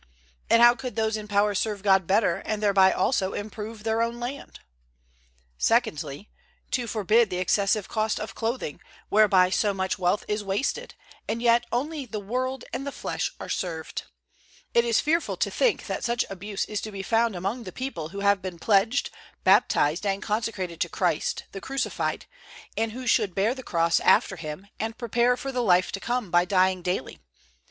And how could those in power serve God better and thereby also improve their own land? Secondly, to forbid the excessive cost of clothing, whereby so much wealth is wasted, and yet only the world and the flesh are served; it is fearful to think that such abuse is to be found among the people who have been pledged, baptised and consecrated to Christ, the Crucified, and who should bear the Cross after Him and prepare for the life to come by dying daily.